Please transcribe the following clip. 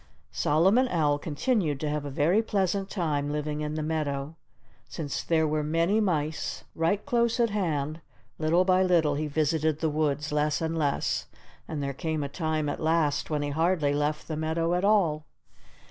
Solomon Owl continued to have a very pleasant time living in the meadow. Since there were many mice right close at hand, little by little he visited the woods less and less. And there came a time at last when he hardly left the meadow at all.